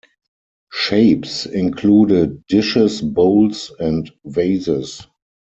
Shapes included dishes, bowls, and vases.